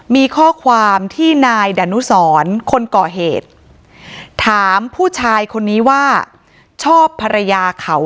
มีข้อความที่นายดานุสรคนก่อเหตุถามผู้ชายคนนี้ว่าชอบภรรยาเขา